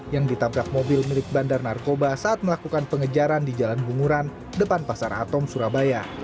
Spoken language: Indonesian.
yang ditabrak mobil milik bandar narkoba saat melakukan pengejaran di jalan bunguran depan pasar atom surabaya